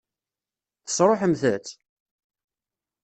Tesṛuḥemt-tt?